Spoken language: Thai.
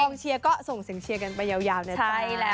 เชียร์ก็ส่งเสียงเชียร์กันไปยาวนะจ๊ะ